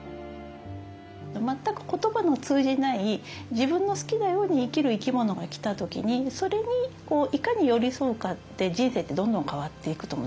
全く言葉の通じない自分の好きなように生きる生き物が来た時にそれにいかに寄り添うかで人生ってどんどん変わっていくと思うんですね。